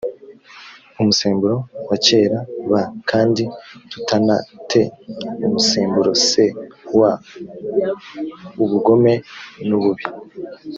umusemburo wa kera b kandi tutana te umusemburoc w ubugome n ububi